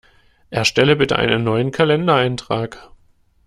Erstelle bitte einen neuen Kalendereintrag!